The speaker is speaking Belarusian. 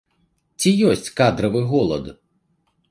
Ці ёсць кадравы голад?